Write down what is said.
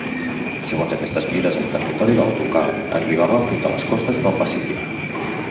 Segons aquestes mides el territori del Ducat arribava fins a les costes del Pacífic.